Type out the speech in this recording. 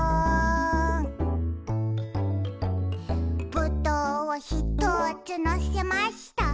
「ぶどうをひとつのせました」